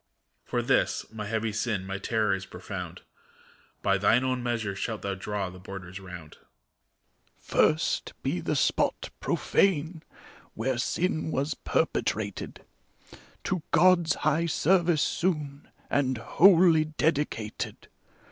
EMPEROR. For this, my heavy sin, my terror is profound : By thine own measure shalt thou draw the borders round. ARCHBISHOP. First be the spot profane, where sin was perpetrated. To God's high service soon and wholly dedicated